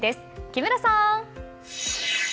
木村さん。